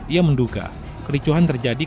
ia menduga kericuhan terjadi